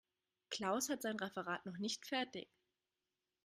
Klaus hat sein Referat noch nicht fertig.